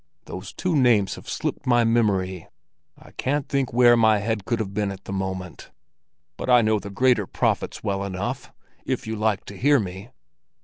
"Those two names have slipped my memory; I can't think where my head could have been at the moment. But I know the greater prophets well enough, if you like to hear me."